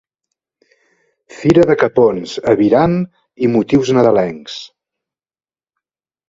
Fira de capons, aviram i motius nadalencs.